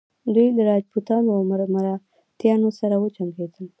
دوی له راجپوتانو او مراتیانو سره وجنګیدل.